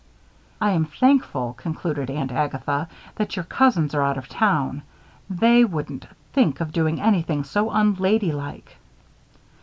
"I am thankful," concluded Aunt Agatha, "that your cousins are out of town. They wouldn't think of doing anything so unladylike."